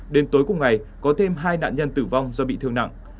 đến tối cùng ngày có thêm hai nạn nhân tử vong do bị thương nặng